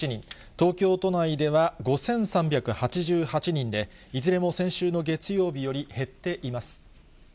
東京都内では５３８８人で、いずれも先週の月曜日より減っています。